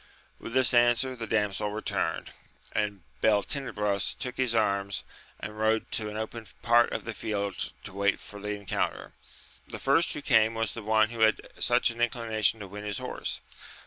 With this answer the damsel returned ; and Beltenebros took his arms, and rode to an open part of the field to wait for the encounter. The first who came was the one who had such an inclination to win his horse.